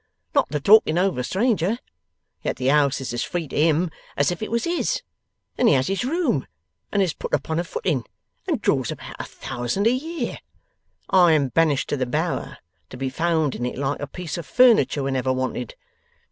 Not the talking over stranger. Yet the house is as free to him as if it was his, and he has his room, and is put upon a footing, and draws about a thousand a year. I am banished to the Bower, to be found in it like a piece of furniture whenever wanted.